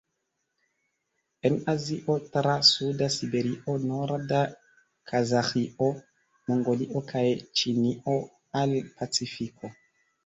En Azio tra suda Siberio, norda Kazaĥio, Mongolio kaj Ĉinio al Pacifiko.